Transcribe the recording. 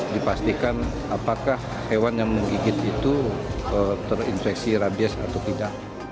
dipastikan apakah hewan yang menggigit itu terinfeksi rabies atau tidak